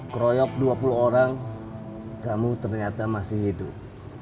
keroyok dua puluh orang kamu ternyata masih hidup